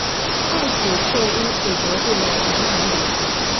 戴梓却因此得罪了南怀仁。